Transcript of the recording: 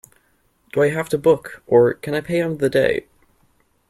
Do I have to book, or can I pay on the day?